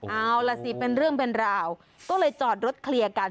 เอาล่ะสิเป็นเรื่องเป็นราวก็เลยจอดรถเคลียร์กัน